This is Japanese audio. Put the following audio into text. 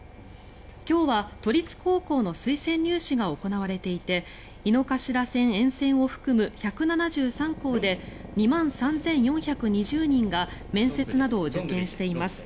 今日は都立高校の推薦入試が行われていて井の頭線沿線を含む１７３校で２万３４２０人が面接などを受験しています。